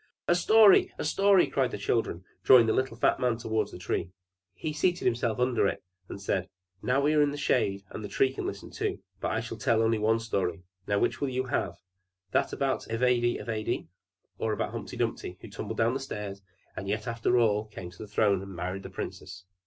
"A story! A story!" cried the children, drawing a little fat man towards the Tree. He seated himself under it and said, "Now we are in the shade, and the Tree can listen too. But I shall tell only one story. Now which will you have; that about Ivedy Avedy, or about Humpy Dumpy, who tumbled downstairs, and yet after all came to the throne and married the princess?"